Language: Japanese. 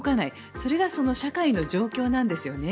それが社会の状況なんですね。